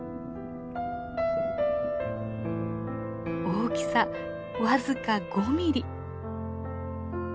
大きさ僅か５ミリ。